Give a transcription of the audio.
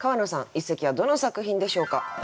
一席はどの作品でしょうか？